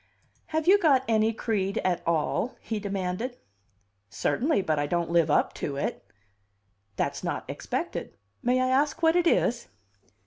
"Have you got any creed at all?" he demanded. "Certainly; but I don't live up to it." "That's not expected. May I ask what it is?"